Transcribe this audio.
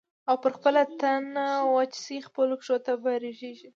او پر خپله تنه وچ سې خپلو پښو ته به رژېږې